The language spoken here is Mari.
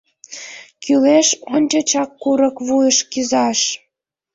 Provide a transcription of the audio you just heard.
Кӱлеш ончычак курык вуйыш кӱзаш.